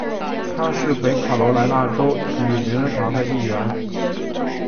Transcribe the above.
他是北卡罗来纳州体育名人堂的一员。